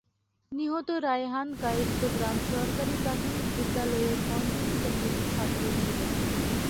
নিহত রায়হান কায়স্থ গ্রাম সরকারি প্রাথমিক বিদ্যালয়ের পঞ্চম শ্রেণীর ছাত্র ছিলেন।